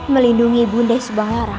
melindungi ibu nda subangara